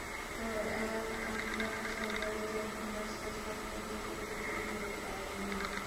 আর আমরা সবাই জানি কাজটা সম্পন্ন করতে তুমি কতটা আগ্রহী।